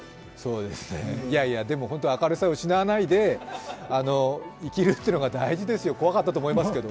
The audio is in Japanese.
いやいや、明るさを失わないで生きるというのが大事ですよ、怖かったと思いますけど。